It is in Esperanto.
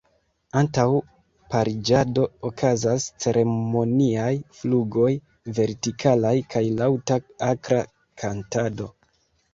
Antaŭ pariĝado okazas ceremoniaj flugoj vertikalaj kaj laŭta akra kantado.